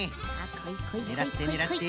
ねらってねらって。